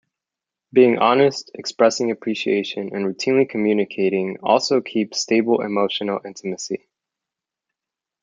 Being honest, expressing appreciation, and routinely communicating also keeps stable emotional intimacy.